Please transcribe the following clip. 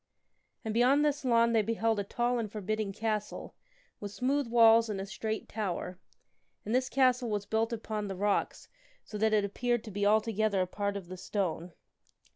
And beyond this lawn they beheld a tall and forbidding castle, with smooth walls and a straight tower; and this castle was built upon the rocks so that it appeared to be altogether a part of the stone.